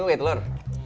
ini gue telur